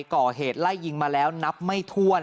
ก่อเหตุไล่ยิงมาแล้วนับไม่ถ้วน